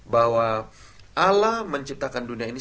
bahwa alam menciptakan dunia ini